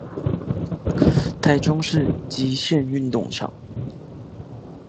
臺中市極限運動場